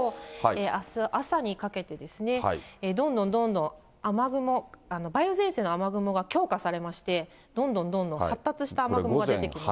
あす朝にかけてですね、どんどんどんどん雨雲、梅雨前線の雨雲が強化されまして、どんどんどんどん発達した雨雲が出てきます。